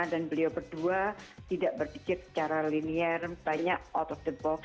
dan beliau berdua tidak berbicara secara linier banyak out of the box